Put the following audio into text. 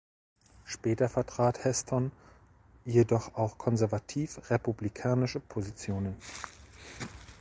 Später vertrat Heston jedoch auch konservativ-republikanische Positionen.